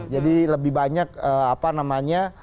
jadi lebih banyak apa namanya